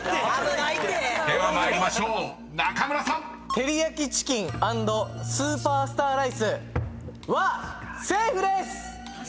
照り焼きチキン＆スーパースター・ライスはセーフです！